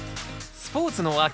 スポーツの秋。